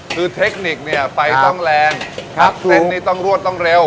คือเทคนิคเนี่ยไปต้องแรงครับเส้นนี้ต้องรวดต้องเร็ว